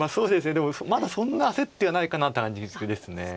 でもまだそんな焦ってはないかなって感じです。